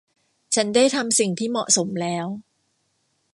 ฉันได้ทำสิ่งที่เหมาะสมแล้ว